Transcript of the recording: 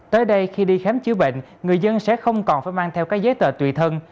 tới đây khi đi khám chữa bệnh người dân sẽ không còn phải mang theo các giấy tờ tùy thân